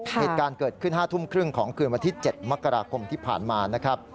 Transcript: เหตุการณ์เกิดขึ้น๕ทุ่มครึ่งของคืนวันที่๗มกราคมที่ผ่านมานะครับ